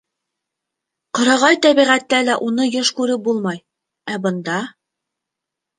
Ҡырағай тәбиғәттә лә уны йыш күреп булмай, ә бында...